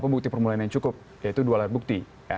bukti permulaan yang cukup yaitu dua lari buku